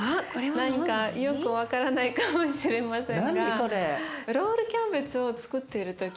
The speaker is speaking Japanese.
何かよく分からないかもしれませんが。